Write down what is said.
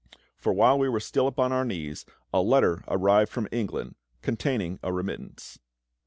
For while we were still upon our knees a letter arrived from England containing a remittance.